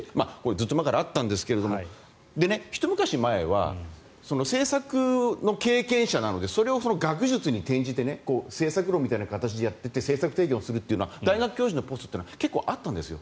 ずっと前からあったんですがひと昔前は政策の経験者なのでそれを学術に転じて政策論みたいな形でやっていて政策提言をするというのは大学教授のポストというのは結構あったんですよ。